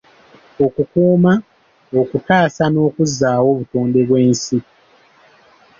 Okukuuma, okutaasa n’okuzzaawo obutonde bw’ensi.